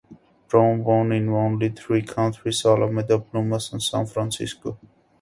Brown won in only three counties: Alameda, Plumas, and San Francisco.